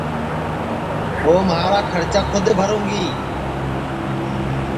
ٻو مہارا کھرچا کھود بھروںگی